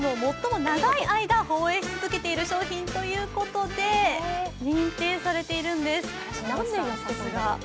ＣＭを最も長い間放映し続けている商品ということで認定されているんです。